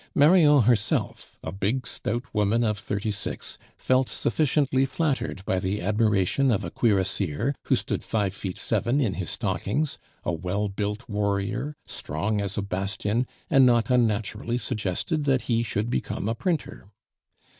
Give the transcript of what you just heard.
Marion herself, a big, stout woman of thirty six, felt sufficiently flattered by the admiration of a cuirassier, who stood five feet seven in his stockings, a well built warrior, strong as a bastion, and not unnaturally suggested that he should become a printer.